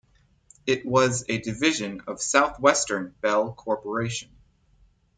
It was a division of Southwestern Bell Corporation.